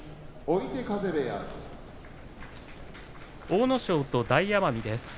阿武咲と大奄美です。